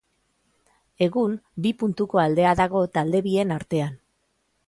Egun bi puntuko aldea dago talde bien artean.